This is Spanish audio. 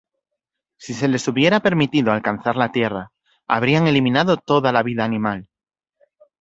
Si se les hubiera permitido alcanzar la Tierra, habrían eliminado toda la vida animal.